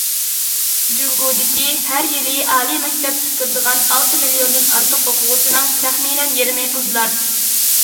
جۇڭگودىكى ھەر يىلى ئالىي مەكتەپ پۈتتۈرىدىغان ئالتە مىليوندىن ئارتۇق ئوقۇغۇچىنىڭ تەخمىنەن يېرىمى قىزلار.